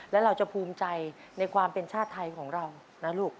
และเราจะภูมิใจในความเป็นชาติไทยของเรานะลูก